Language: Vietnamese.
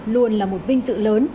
luôn là một vinh sự lớn